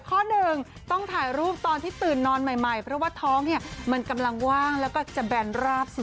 ข้อหนึ่งต้องถ่ายรูปตอนที่ตื่นนอนใหม่เพราะว่าท้องเนี่ยมันกำลังว่างแล้วก็จะแบนราบเสมอ